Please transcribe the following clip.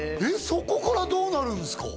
そこからどうなるんすか？